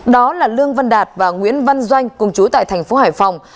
đó là lương văn đạt và nguyễn văn doanh cùng chú tại thành phố hải phòng